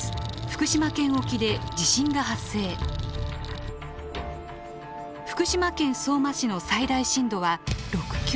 福島県相馬市の最大震度は６強。